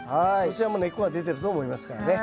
こちらも根っこが出てると思いますからね。